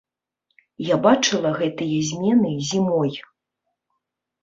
Я бачыла гэтыя змены зімой.